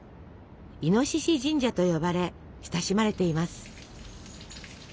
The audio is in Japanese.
「イノシシ神社」と呼ばれ親しまれています。